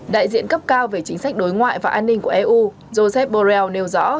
đại diện cấp cao về chính sách đối ngoại và an ninh của eu josep borrell nêu rõ